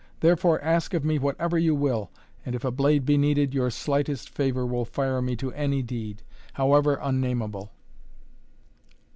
Therefore ask of me whatever you will and, if a blade be needed, your slightest favor will fire me to any deed, however unnameable."